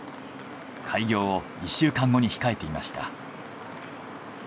開業を１週間後に控えていました。